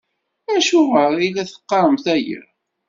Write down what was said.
Acuɣer i la teqqaremt aya?